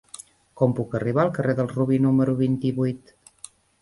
Com puc arribar al carrer del Robí número vint-i-vuit?